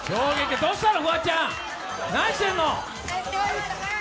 どうしたの、フワちゃん、何してんの？